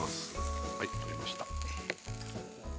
はい取りました